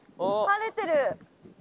晴れてる。